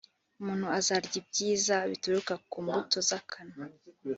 umuntu azarya ibyiza bituruka ku mbuto z akanwa